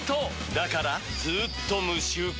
だからずーっと無臭化！